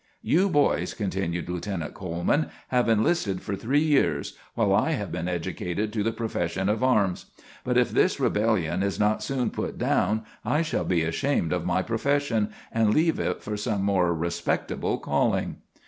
"You boys," continued Lieutenant Coleman, "have enlisted for three years, while I have been educated to the profession of arms; but if this rebellion is not soon put down I shall be ashamed of my profession and leave it for some more respectable calling."